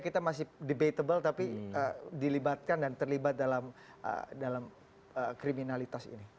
kita masih debatable tapi dilibatkan dan terlibat dalam kriminalitas ini